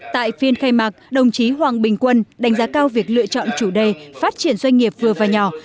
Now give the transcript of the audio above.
tại phiên khai mạc đồng chí hoàng bình quân đánh giá cao việc lựa chọn chủ đề phát triển doanh nghiệp vừa và nhỏ